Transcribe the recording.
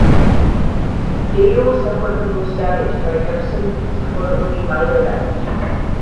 "Deyo" suffered the most damage, while "Tucson" suffered only minor damage.